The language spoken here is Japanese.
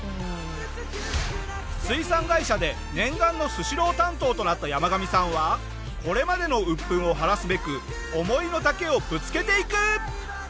水産会社で念願のスシロー担当となったヤマガミさんはこれまでの鬱憤を晴らすべく思いの丈をぶつけていく！